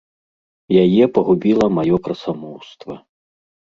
Яе пагубіла маё красамоўства.